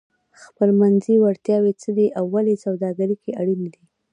خپلمنځي وړتیاوې څه دي او ولې سوداګري کې اړینې دي؟